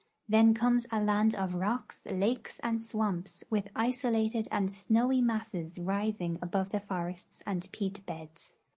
Then comes a land of rocks, lakes, and swam])s,with isolated and snowy masses rising above the forests and peat l)eds.